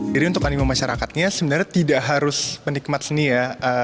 jadi untuk animum masyarakatnya sebenarnya tidak harus menikmat seni ya